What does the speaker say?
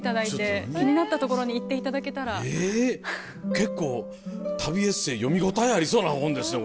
結構旅エッセー読み応えありそうな本ですね。